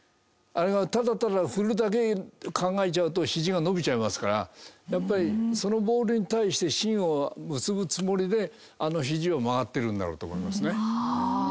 あれがただただ振るだけを考えちゃうとひじが伸びちゃいますからやっぱりそのボールに対して芯を結ぶつもりであのひじは曲がってるんだろうと思いますね。